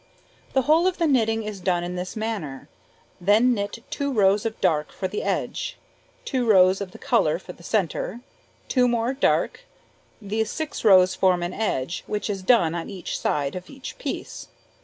The whole of the knitting is done in this manner; then knit 2 rows of dark for the edge, 2 rows of the colour for the centre, 2 more dark: these 6 rows form an edge, which is done on each side of each piece.